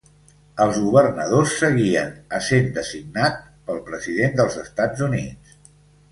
Els governadors seguien essent designat pel President dels Estats Units.